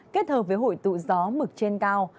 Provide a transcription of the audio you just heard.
kết hợp với hội tụ gió mực trên cao